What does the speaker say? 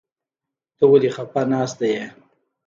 ته ولې خپه ناسته يې ؟